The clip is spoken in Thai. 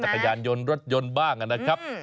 จักรยานยนต์รถยนต์บ้างนะครับ